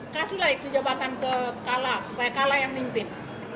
kasihlah itu jabatan ke kala supaya kalah yang mimpin